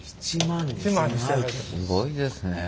すごいですね。